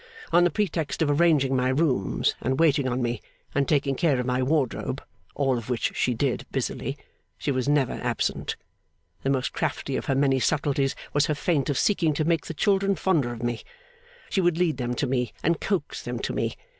On the pretext of arranging my rooms and waiting on me and taking care of my wardrobe (all of which she did busily), she was never absent. The most crafty of her many subtleties was her feint of seeking to make the children fonder of me. She would lead them to me and coax them to me.